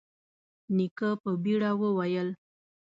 نيکه په بيړه وويل: